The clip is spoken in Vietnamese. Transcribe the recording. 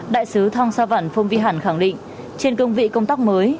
đại sứ thong sa văn phong vi hẳn khẳng định trên công vị công tác mới